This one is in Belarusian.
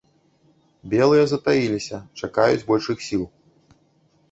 Белыя затаіліся, чакаюць большых сіл.